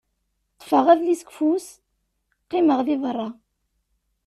Ṭfeɣ adlis deg ufus, qqimeɣ deg berra.